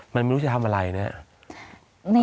มันไม่รู้จะทำอะไรเนี่ย